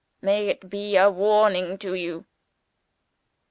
May it be a warning to you!"